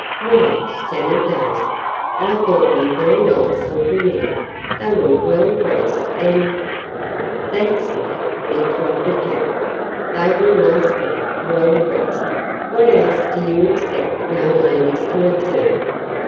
"Why," stammered Daisy, "I thought them very nice looking men. They were well dressed, and " "That's it," interrupted Jack. "They were nice men, well dressed. What else do you expect young ladies to observe?